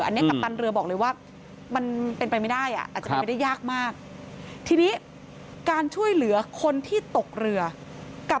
อันนี้กัปตันเรือบอกเลยว่ามันเป็นไปไม่ได้อ่ะ